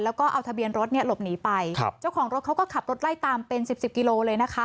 แล้วก็เอาทะเบียนรถเนี่ยหลบหนีไปครับเจ้าของรถเขาก็ขับรถไล่ตามเป็นสิบสิบกิโลเลยนะคะ